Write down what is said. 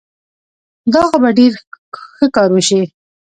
دا خو به ډېر ښه کار وشي.